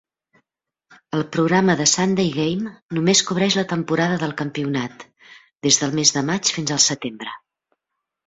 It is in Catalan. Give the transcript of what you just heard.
El programa 'The Sunday Game' només cobreix la temporada del campionat, des del mes de maig fins al setembre.